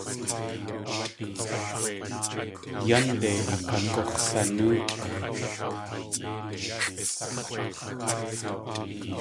Yánde akagux̲sanóok.